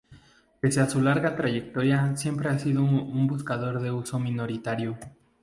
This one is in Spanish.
Pese a su larga trayectoria siempre ha sido un buscador de uso minoritario.